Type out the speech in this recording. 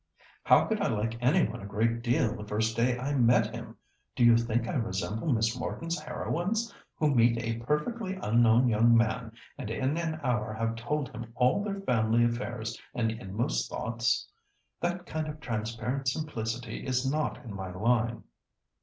"How could I like any one a great deal the first day I met him? Do you think I resemble Miss Morton's heroines, who meet a perfectly unknown young man, and in an hour have told him all their family affairs and inmost thoughts? That kind of transparent simplicity is not in my line."